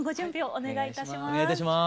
お願いいたします。